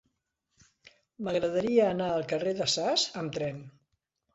M'agradaria anar al carrer de Sas amb tren.